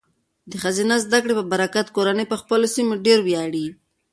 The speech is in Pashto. د ښځینه زده کړې په برکت، کورنۍ په خپلو سیمو ډیر ویاړي.